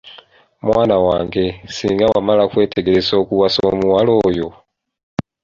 Mwana wange, singa wamala kwetegereza okuwasa omuwala oyo.